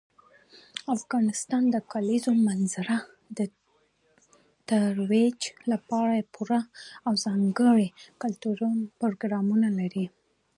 افغانستان د کلیزو منظره د ترویج لپاره پوره او ځانګړي ګټور پروګرامونه لري.